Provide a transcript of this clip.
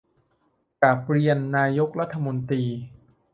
กราบเรียนนายกรัฐมนตรี